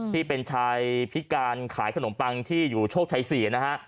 ที่เป็นชายพิการขายขนมปังที่อยู่โชคชัย๔นะฮะ